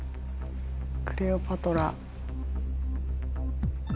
クレオパトラ。